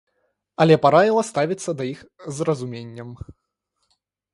Але параіла ставіцца да іх з разуменнем.